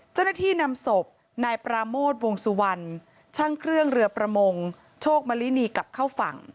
เจ้าหน้าที่นำศพนายปราโมทวงสุวรรณช่างเครื่องเรือประมงโชคมลินีกลับเข้าฝั่ง